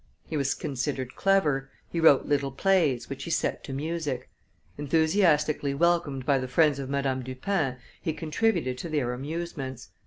He was considered clever; he wrote little plays, which he set to music. Enthusiastically welcomed by the friends of Madame Dupin, he contributed to their amusements.